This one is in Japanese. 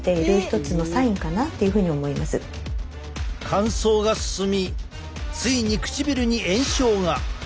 乾燥が進みついに唇に炎症が。